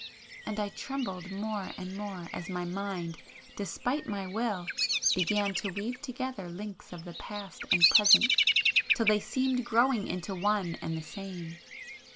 ——and I trembled more and more as my mind, despite my will, began to weave together links of the past and present, till they seemed growing into one and the same.